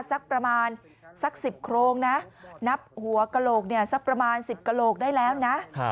สักประมาณสัก๑๐โครงนะนับหัวกระโหลกเนี่ยสักประมาณ๑๐กระโหลกได้แล้วนะ